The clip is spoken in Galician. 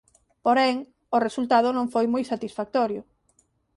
Porén o resultado non foi moi satisfactorio.